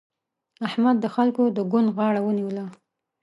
احمد د خلګو د ګوند غاړه ونيوله.